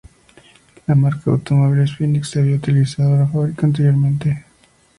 La marca de automóviles Phoenix había utilizado la fábrica anteriormente.